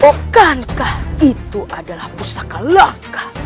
pokankah itu adalah pusaka laka